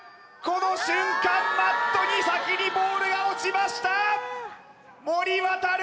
この瞬間マットに先にボールが落ちました！